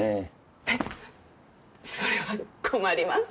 えっそれは困ります。